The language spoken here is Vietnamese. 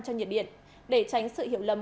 cho nhiệt điện để tránh sự hiệu lầm